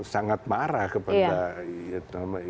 sangat marah kepada